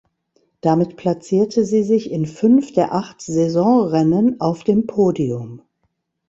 Damit platzierte sie sich in fünf der acht Saisonrennen auf dem Podium.